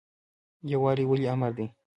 یووالی ولې امر دی؟